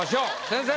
先生。